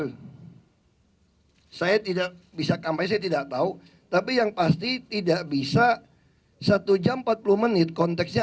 hai saya tidak bisa kampai saya tidak tahu tapi yang pasti tidak bisa satu jam empat puluh menit konteksnya